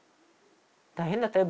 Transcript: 大変だったよ。